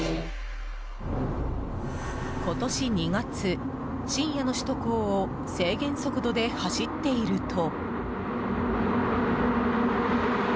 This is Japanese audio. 今年２月、深夜の首都高を制限速度で走っていると。